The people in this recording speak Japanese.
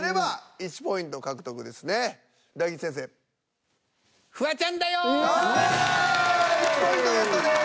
１ポイントゲットです。